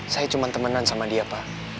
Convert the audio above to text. saya cuma temenan sama dia pak